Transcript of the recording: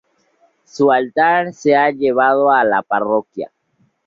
Su altar se ha llevado a la parroquia.